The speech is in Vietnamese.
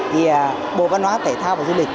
thì bộ văn hóa tể thao và du lịch